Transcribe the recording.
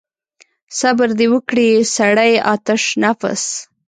صبر دې وکړي سړی آتش نفس.